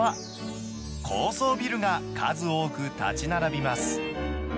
今は、高層ビルが数多く建ち並びます。